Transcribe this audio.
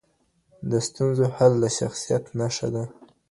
د ستونزو حل د شخصیت نښه ده.